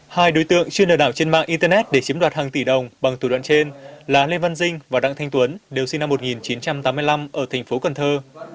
hai đối tượng chưa nở đảo trên mạng internet để chiếm đoạt hàng tỷ đồng bằng thủ đoạn trên là lê văn dinh và đặng thanh tuấn đều sinh năm một nghìn chín trăm tám mươi năm ở thành phố cần thơ